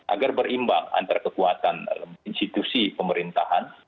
agar berimbang antar kekuatan institusi pemerintahan